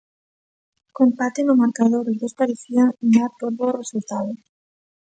Co empate no marcador, os dous parecían dar por bo o resultado.